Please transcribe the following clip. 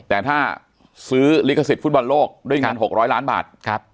แต่ถ้าซื้อลิขสิทธิ์ฟุตบอลโลกด้วยอย่างงั้นหกร้อยล้านบาทครับ